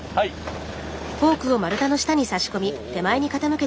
はい。